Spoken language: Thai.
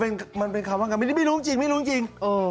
เออมันเป็นคำหวานครับไม่รู้จริง